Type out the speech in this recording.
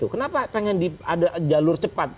kenapa pengen ada jalur cepat